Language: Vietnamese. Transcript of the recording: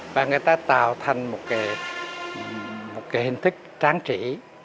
và người ta tạo thành một cái hình thức tráng trĩ